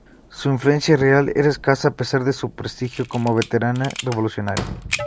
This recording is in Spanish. Su influencia real era escasa, a pesar de su prestigio como veterana revolucionaria.